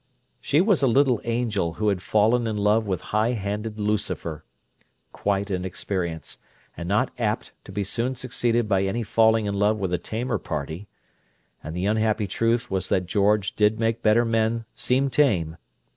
She was a little angel who had fallen in love with high handed Lucifer; quite an experience, and not apt to be soon succeeded by any falling in love with a tamer party—and the unhappy truth was that George did make better men seem tame.